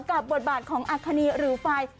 บทบาทของอัคคณีหรือไฟ